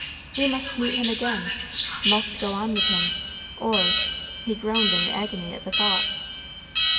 He must meet him again, must go on with him, or he groaned in agony at the thought.